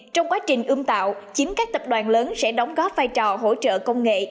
trong quá trình ưm tạo chính các tập đoàn lớn sẽ đóng góp vai trò hỗ trợ công nghệ